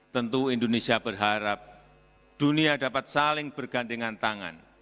tentu indonesia berharap dunia dapat saling bergandengan tangan